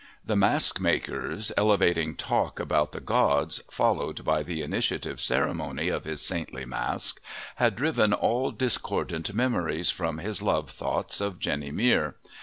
The mask maker's elevating talk about the gods, followed by the initiative ceremony of his saintly mask, had driven all discordant memories from his love thoughts of Jenny Mere.